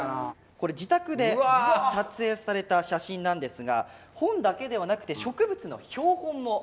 これ自宅で撮影された写真なんですが本だけではなくて植物の標本も。